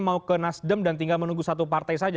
mau ke nasdem dan tinggal menunggu satu partai saja